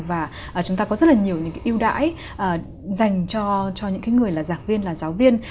và chúng ta có rất là nhiều những cái ưu đãi dành cho những người là giảng viên là giáo viên